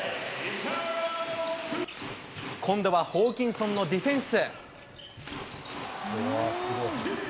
今度はホーキンソンのディフェンス。